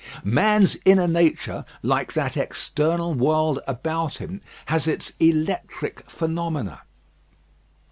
Man's inner nature, like that external world about him, has its electric phenomena.